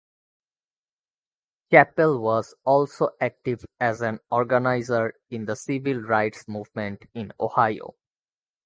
Chappelle was also active as an organizer in the civil rights movement in Ohio.